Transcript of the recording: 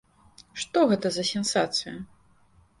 Што гэта за сенсацыя?